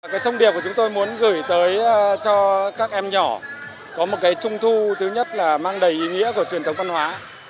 cái thông điệp của chúng tôi muốn gửi tới cho các em nhỏ có một cái trung thu thứ nhất là mang đầy ý nghĩa của truyền thống văn hóa